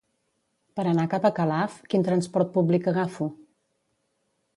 Per anar cap a Calaf, quin transport públic agafo?